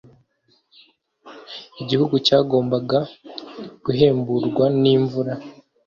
Igihugu cyagombaga guhemburwa nimvura